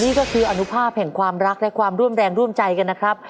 นี่ก็คืออนุภาพแห่งความรักและความร่วมแรงร่วมใจกันนะครับ